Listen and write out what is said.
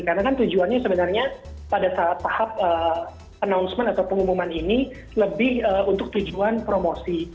karena kan tujuannya sebenarnya pada tahap announcement atau pengumuman ini lebih untuk tujuan promosi